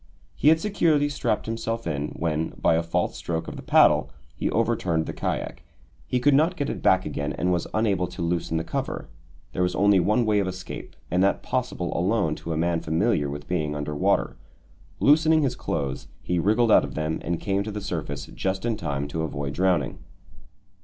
He had securely strapped himself in, when, by a false stroke of the paddle, he overturned the kayak. He could not get it back again and was unable to loosen the cover; there was only one way of escape, and that possible alone to a man familiar with being under water. Loosening his clothes, he wriggled out of them and came to the surface just in time to avoid drowning.